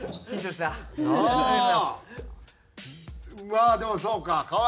まあでもそうか。